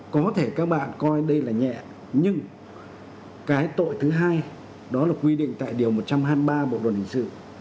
có thể các bạn coi đây là nhẹ nhưng cái tội thứ hai đó là quy định tại điều một trăm hai mươi ba bộ luật hình sự